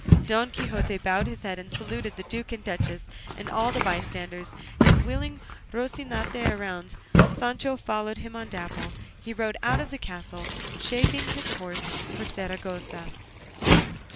Don Quixote bowed his head, and saluted the duke and duchess and all the bystanders, and wheeling Rocinante round, Sancho following him on Dapple, he rode out of the castle, shaping his course for Saragossa.